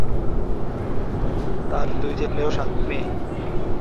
তার দুই ছেলে ও সাত মেয়ে।